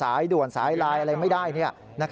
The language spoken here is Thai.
สายด่วนสายไลน์อะไรไม่ได้